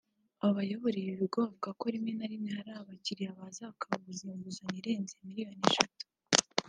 Abayobora ibi bigo bavuga ko rimwe na rimwe hari abakiriya baza baka inguzanyo irenze miliyoni eshatu